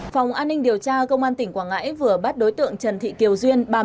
phòng an ninh điều tra công an tỉnh quảng ngãi vừa bắt đối tượng trần thị kiều duyên